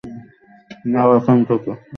যাও, এখান থেকে।